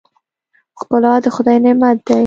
ښکلا د خدای نعمت دی.